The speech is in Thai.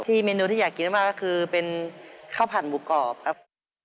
เมนูที่อยากกินมากก็คือเป็นข้าวผัดหมูกรอบครับ